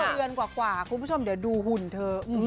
เดือนกว่าคุณผู้ชมเดี๋ยวดูหุ่นเถอะ